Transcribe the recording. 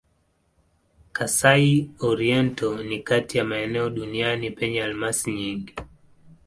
Kasai-Oriental ni kati ya maeneo duniani penye almasi nyingi.